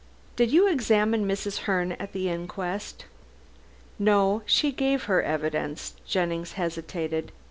"Did you examine Mrs. Herne at the inquest?" "No; she gave her evidence." Jennings hesitated.